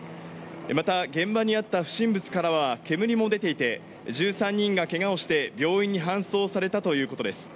また、現場にあった不審物からは煙も出ていて１３人がけがをして病院に搬送されたということです。